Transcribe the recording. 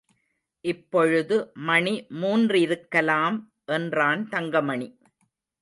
இப்பொழுது மணி மூன்றிருக்கலாம் என்றான் தங்கமணி.